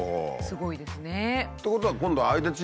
すごいですね。ってことは今度はなりますね。